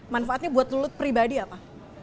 manfaatnya buat lulut pribadi apa